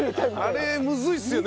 あれむずいっすよね。